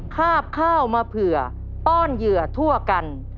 คาบข้าวมาเผื่อป้อนเหยื่อทั่วกัน